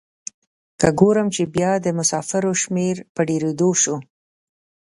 که ګورم چې بیا د مسافرو شمیر په ډیریدو شو.